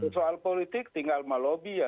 soal politik tinggal melobi ya